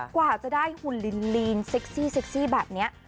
กว่าจะได้หุ่นลีนเซ็กซี่แบบนี้